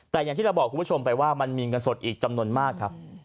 แต่อย่างที่เราบอกคุณผู้ชมไปว่ามันมีเงินสดอีกจำนวนมากครับ